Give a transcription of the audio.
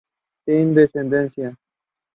'Why, we can put such nonsense together ourselves!